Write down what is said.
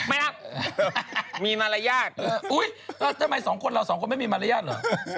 มีมารยาทอุ๊ยทำไมสองคนเราสองคนไม่มีมารยาทเหรอ